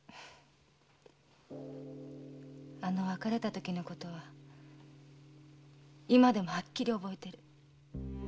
あの別れたときのことは今でもはっきり覚えてる。